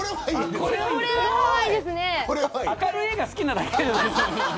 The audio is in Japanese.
明るい絵が好きなだけじゃん。